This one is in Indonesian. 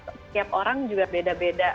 setiap orang juga beda beda